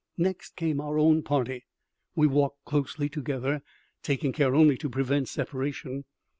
Next came our own party. We walked closely together, taking care only to prevent separation.